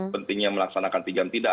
sehingga kita bisa melakukan obat yang efektif